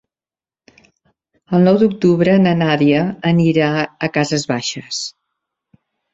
El nou d'octubre na Nàdia anirà a Cases Baixes.